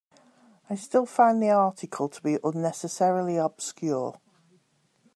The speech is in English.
I still find the article to be unnecessarily obscure.